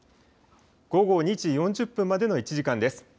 午後２時４０分までの１時間です。